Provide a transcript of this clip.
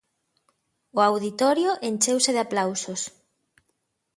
O auditorio encheuse de aplausos.